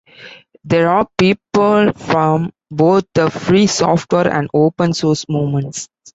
There are people from both the Free Software and Open Source movements.